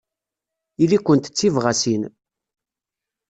Ili-kent d tibɣasin.